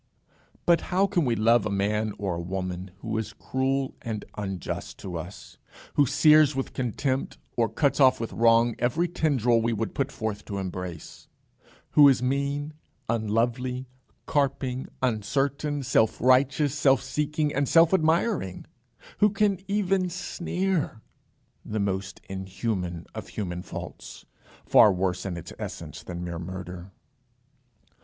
But how can we love a man or a woman who is cruel and unjust to us? who sears with contempt, or cuts off with wrong every tendril we would put forth to embrace? who is mean, unlovely, carping, uncertain, self righteous, self seeking, and self admiring? who can even sneer, the most inhuman of human faults, far worse in its essence than mere murder?